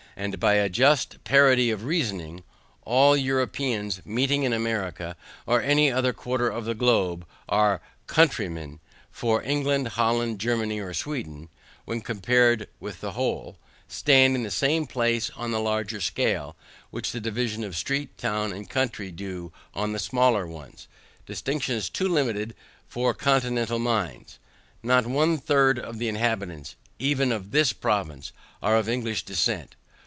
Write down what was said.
And by a just parity of reasoning, all Europeans meeting in America, or any other quarter of the globe, are COUNTRYMEN; for England, Holland, Germany, or Sweden, when compared with the whole, stand in the same places on the larger scale, which the divisions of street, town, and county do on the smaller ones; distinctions too limited for continental minds. Not one third of the inhabitants, even of this province, are of English descent.